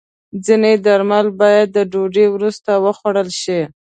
ځینې درمل باید د ډوډۍ وروسته وخوړل شي.